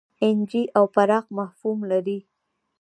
اېن جي او پراخ مفهوم لري.